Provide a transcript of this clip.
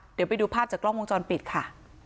เดี๋ยวไปดูภาพจากกล้องวงจรปิดค่ะ